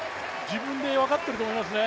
自分で分かってると思いますね。